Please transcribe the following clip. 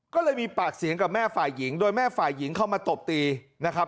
ก็เลยมีปากเสียงกับแม่ฝ่ายหญิงโดยแม่ฝ่ายหญิงเข้ามาตบตีนะครับ